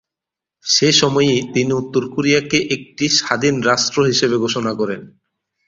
সে সময়ই তিনি উত্তর কোরিয়াকে একটি স্বাধীন রাষ্ট্র হিসেবে ঘোষণা করেন।